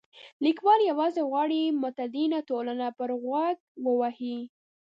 لیکوال یوازې غواړي متدینه ټولنه پر غوږ ووهي.